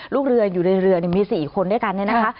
ลูกเรืออยู่ในเรือมี๔คนด้วยกันเนี่ยนะคะ